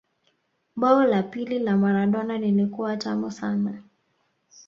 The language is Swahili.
bao la pili la Maradona lilikuwa tamu sana